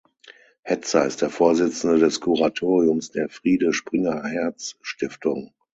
Hetzer ist der Vorsitzende des Kuratoriums der Friede Springer Herz Stiftung.